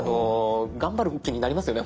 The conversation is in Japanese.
頑張る気になりますよね